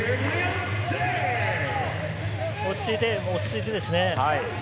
落ち着いて、落ち着いてですね。